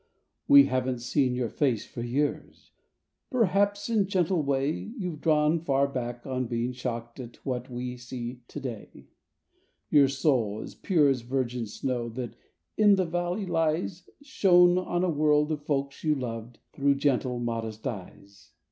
We haven't seen your face for years; per¬ haps in gentle way You've drawn far back on being shocked at what we see to day. Your soul, as pure as virgin snow that in the valley lies. Shone on a world of folks you loved, through gentle, modest eyes.